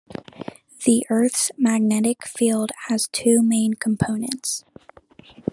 The Earth's magnetic field has two main components.